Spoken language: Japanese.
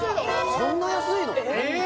そんな安いの！？